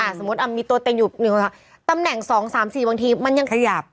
อ่าสมมุติอ่ะมีตัวเต็งอยู่ตำแหน่งสองสามสี่บางทีมันยังขยับ